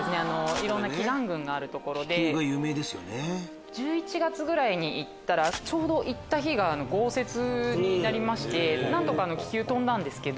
いろんな奇岩群がある所で１１月ぐらいに行ったら行った日が豪雪になりまして何とか気球飛んだんですけど。